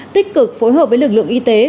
tích cực phối hợp với lực lượng y tế